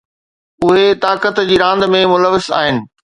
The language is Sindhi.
اهي طاقت جي راند ۾ ملوث آهن.